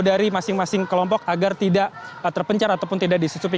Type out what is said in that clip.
dari masing masing kelompok agar tidak terpencar ataupun tidak ditutupi